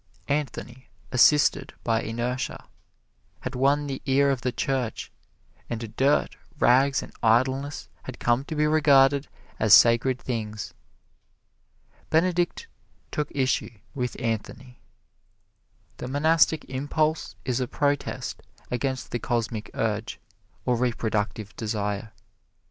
Anthony, assisted by inertia, had won the ear of the Church; and dirt, rags and idleness had come to be regarded as sacred things. Benedict took issue with Anthony. The Monastic Impulse is a protest against the Cosmic Urge, or reproductive desire.